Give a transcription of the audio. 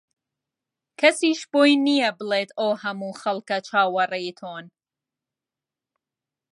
کەسیش بۆی نییە بڵێت ئەو هەموو خەڵکە چاوەڕێی تۆن